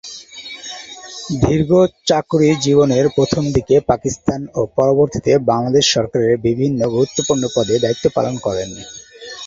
দীর্ঘ চাকুরি জীবনের প্রথমদিকে পাকিস্তান ও পরবর্তীতে বাংলাদেশ সরকারের বিভিন্ন গুরুত্বপূর্ণ পদে দায়িত্ব পালন করেন।